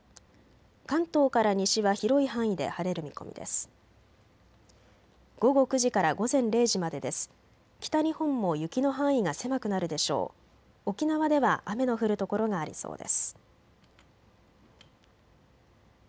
関東から西は広い範囲で晴れる見込みです。